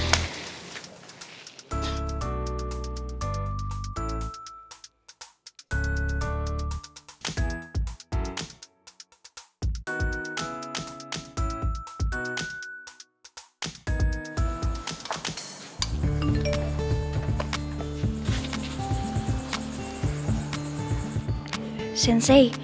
kedai indah satu helikopter lihat